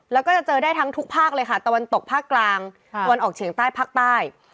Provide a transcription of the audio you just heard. แล้วก็จะเจอได้ทั้งทุกภาคเลยค่ะตะวันตกภาคกลางตะวันออกเฉียงใต้ภาคใต้